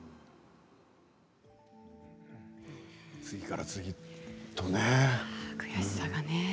次から次へとね。